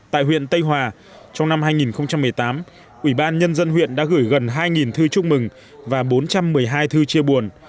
tại huyện tây hòa trong năm hai nghìn một mươi tám ủy ban nhân dân huyện đã gửi gần hai thư chúc mừng và bốn trăm một mươi hai thư chia buồn